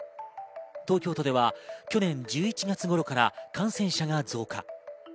東京都では去年１１月頃から感染者が増加。